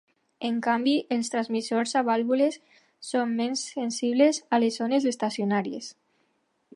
En canvi, els transmissors a vàlvules són menys sensibles a les ones estacionàries.